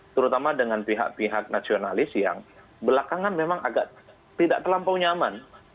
terutama dengan pihak pihak nasionalis yang belakangan memang agak tidak terlampau nyaman